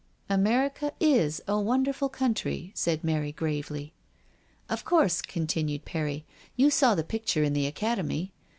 "America is a wonderful country," said Mary gravely. "Of course," continued Perry, "you've seen my big picture in the Academy.